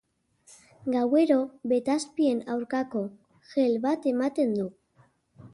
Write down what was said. Gauero betazpien aurkako gel bat ematen du.